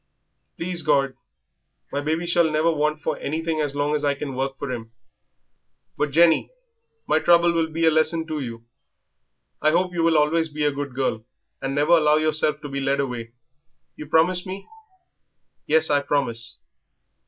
"Please God, my baby shall never want for anything as long as I can work for him. But, Jenny, my trouble will be a lesson to you. I hope you will always be a good girl, and never allow yourself to be led away; you promise me?" "Yes, I promise."